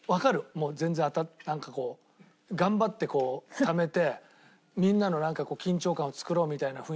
もう全然なんかこう頑張ってこうためてみんなのなんか緊張感を作ろうみたいな雰囲気